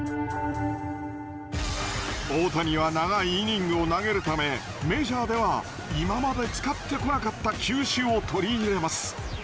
大谷は長いイニングを投げるためメジャーでは今まで使ってこなかった球種を取り入れます。